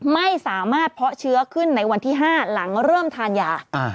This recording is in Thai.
ไม่สามารถเพาะเชื้อขึ้นในวันที่๕หลังเริ่มทานยา